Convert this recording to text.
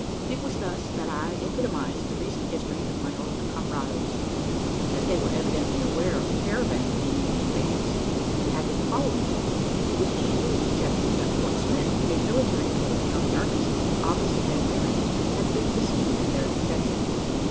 It was thus that I epitomised the recent history of my old camarados. As they were evidently aware of the caravan being in the advance, and had been following it, it was easily conjectured that Fort Smith a military post on the Arkansas opposite Van Buren had been the scene of their defection.